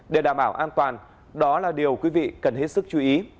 để đảm bảo an toàn đó là điều quý vị cần hết sức chú ý